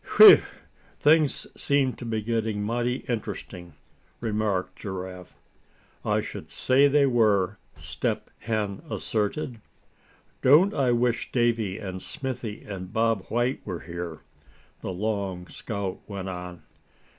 "Whew! things seem to be getting mighty interesting," remarked Giraffe. "I should say they were," Step Hen asserted. "Don't I wish Davy and Smithy and Bob White were here." the long scout went on.